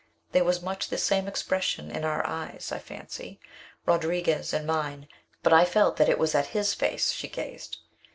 There was much the same expression in our eyes, I fancy, Rodriguez's and mine but I felt that it was at his face she gazed.